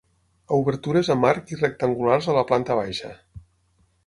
Obertures amb arc i rectangulars a la planta baixa.